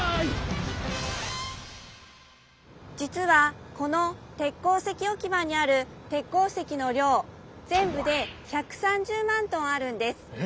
じつはこの鉄鉱石おき場にある鉄鉱石の量ぜんぶで１３０万トンあるんです。え！